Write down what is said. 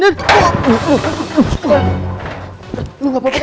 lu gak apa apa kan yan